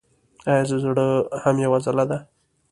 ایا زړه هم یوه عضله ده